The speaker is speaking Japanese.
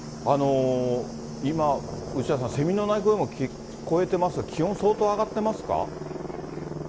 今、内田さん、セミの鳴き声も聞こえてますが、気温、相当上がってますか？